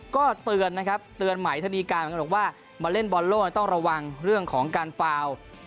ก็เตือนนะครับเตือนไหมธนีการเหมือนกันบอกว่ามาเล่นบอลโลกต้องระวังเรื่องของการฟาว